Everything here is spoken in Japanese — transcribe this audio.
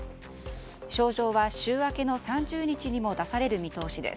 招状は週明けの３０日にも出される見通しです。